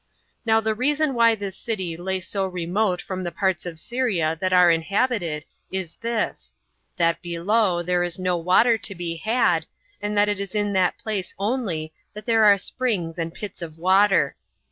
Now the reason why this city lay so remote from the parts of Syria that are inhabited is this, that below there is no water to be had, and that it is in that place only that there are springs and pits of water.